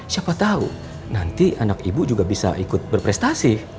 siapa tahu nanti anak ibu juga bisa ikut berprestasi